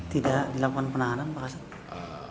tidak dilakukan penahanan pak hasan